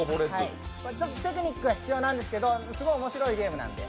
テクニックが必要なんですけど、すごい面白いゲームなんで。